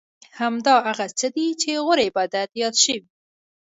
همدا هغه څه دي چې غوره عبادت یاد شوی.